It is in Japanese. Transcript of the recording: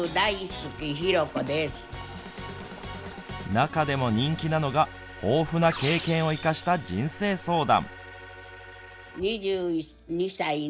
中でも人気なのが豊富な経験を生かした人生相談。